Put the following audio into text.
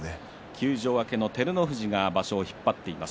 休場明けの照ノ富士が場所を引っ張っています。